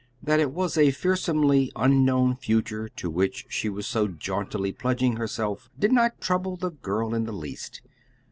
That it was a fearsomely unknown future to which she was so jauntily pledging herself did not trouble the girl in the least.